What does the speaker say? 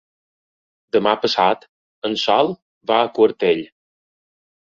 Demà passat en Sol va a Quartell.